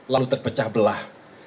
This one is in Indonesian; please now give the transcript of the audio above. lalu terpecah belah